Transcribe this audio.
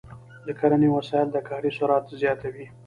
د کرنې وسایل د کاري سرعت زیاتوي.